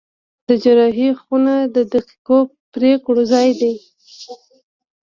د جراحي خونه د دقیقو پرېکړو ځای دی.